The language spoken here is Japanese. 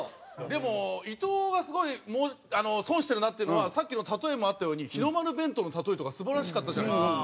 でも伊藤がすごい損してるなっていうのはさっきの例えにもあったように日の丸弁当の例えとか素晴らしかったじゃないですか。